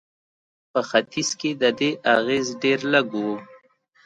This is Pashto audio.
په ختیځ کې د دې اغېز ډېر لږ و.